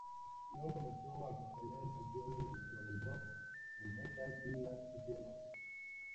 Luego comenzó a componer canciones dentro del rock, el metal y las fusiones.